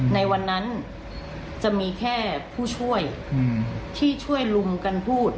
ในวันนั้นจะมีแค่ผู้ช่วยที่ช่วยลุมกันพูด